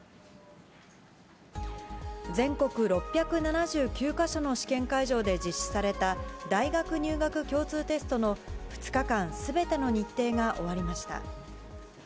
全国６７９か所の試験会場で実施された、大学入学共通テストの２日間すべての日程が終わりました。